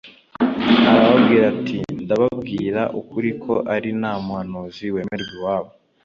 Arababwira ati: «Ndababwira ukuri ko ari nta muhanuzi wemerwa iwabo.